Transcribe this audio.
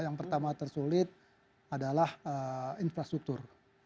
yang pertama tersulit adalah infrastruktur